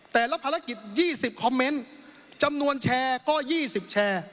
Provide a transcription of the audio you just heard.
แต่ละภารกิจยี่สิบคอมเมนต์จำนวนแชร์ก็ยี่สิบแชร์